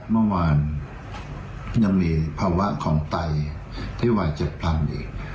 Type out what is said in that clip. เมื่อวานยังมีภาวะของไตที่วายเฉียบพลันอีก